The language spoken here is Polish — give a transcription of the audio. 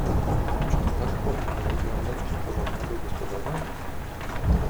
"Czy to tak powinno wyglądać u porządnego gospodarza?"